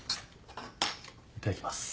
いただきます。